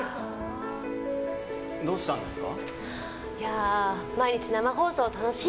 どうしたんですか？